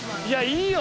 いいよ！